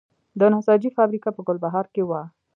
د نساجي فابریکه په ګلبهار کې وه